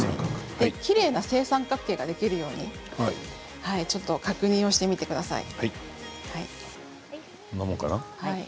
きれいな正三角形ができるようにちょっと確認してみてください。